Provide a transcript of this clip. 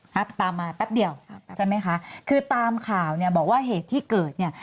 ครับตามมาแป๊บเดียวใช่ไหมคะคือตามข่าวเนี่ยบอกว่าเหตุที่เกิดเนี่ย